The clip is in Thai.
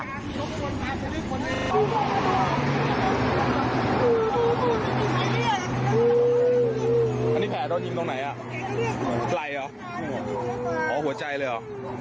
หัวใจเลยเหรอ